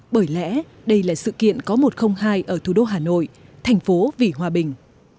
bởi lẽ đây là sự kiện có một không hai ở thủ đô hà nội thành phố vĩ hòa bình